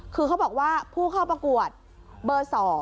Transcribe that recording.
คือเขาบอกว่าผู้เข้าประกวดเบอร์๒